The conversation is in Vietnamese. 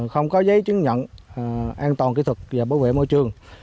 không có giấy chứng nhận an toàn kỹ thuật và bảo vệ môi trường